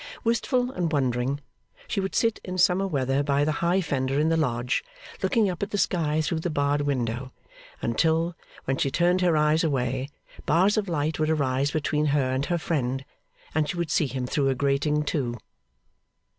Wistful and wondering, she would sit in summer weather by the high fender in the lodge, looking up at the sky through the barred window, until, when she turned her eyes away, bars of light would arise between her and her friend, and she would see him through a grating, too.